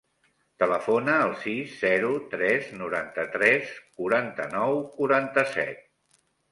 Telefona al sis, zero, tres, noranta-tres, quaranta-nou, quaranta-set.